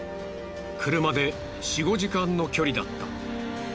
車で４５時間の距離だった。